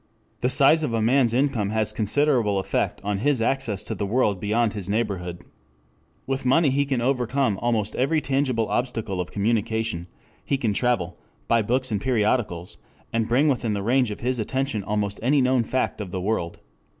2 The size of a man's income has considerable effect on his access to the world beyond his neighborhood. With money he can overcome almost every tangible obstacle of communication, he can travel, buy books and periodicals, and bring within the range of his attention almost any known fact of the world.